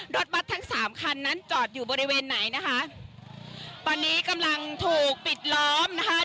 รถบัตรทั้งสามคันนั้นจอดอยู่บริเวณไหนนะคะตอนนี้กำลังถูกปิดล้อมนะคะ